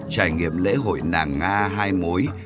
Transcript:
trải nghiệm lễ hội nàng nga hai mối